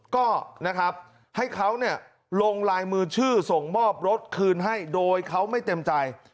ก็นะครับให้เขาลงลายมือชื่อส่งมอบรถคืนให้โดยเขาไม่เต็มใจ